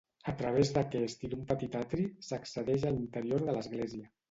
A través d'aquest i d'un petit atri s'accedeix a l'interior de l'església.